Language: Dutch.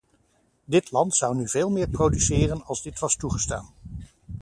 Dit land zou nu veel meer produceren als dit was toegestaan.